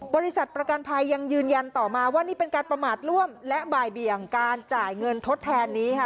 บริษัทประกันภัยยังยืนยันต่อมาว่านี่เป็นการประมาทร่วมและบ่ายเบี่ยงการจ่ายเงินทดแทนนี้ค่ะ